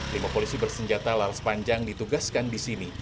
lima polisi bersenjata laras panjang ditugaskan di sini